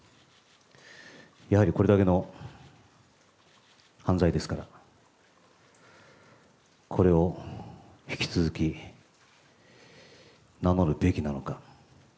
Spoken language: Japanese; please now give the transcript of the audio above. やはりこれだけの犯罪ですから、これを引き続き名乗るべきなのか。